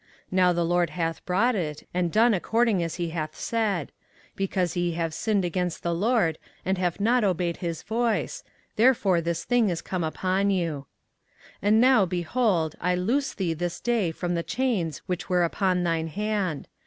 24:040:003 Now the LORD hath brought it, and done according as he hath said: because ye have sinned against the LORD, and have not obeyed his voice, therefore this thing is come upon you. 24:040:004 And now, behold, I loose thee this day from the chains which were upon thine hand.